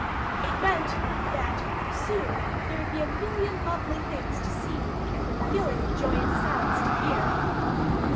It meant that soon there would be a million lovely things to see and a million joyous sounds to hear.